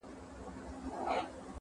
نیکه کیسه کوله!٫